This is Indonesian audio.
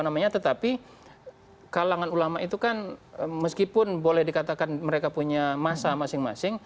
tetapi kalangan ulama itu kan meskipun boleh dikatakan mereka punya masa masing masing